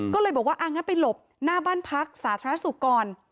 ก็เลยบอกว่าอ่างั้นไปหลบหน้าบ้านพักสาธารณสุขก่อน